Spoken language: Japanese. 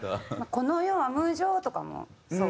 「この世は無常」とかもそう。